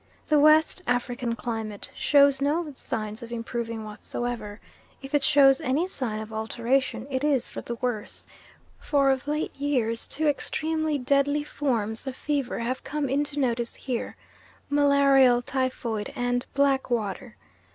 The West African climate shows no signs of improving whatsoever. If it shows any sign of alteration it is for the worse, for of late years two extremely deadly forms of fever have come into notice here, malarial typhoid and blackwater.